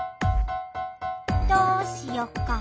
どうしよっか？